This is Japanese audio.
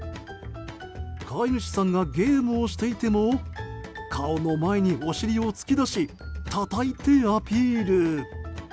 飼い主さんがゲームをしていても顔の前にお尻を突き出したたいてアピール。